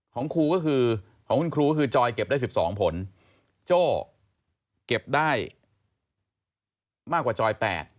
เก็บได้มากกว่าจอย๘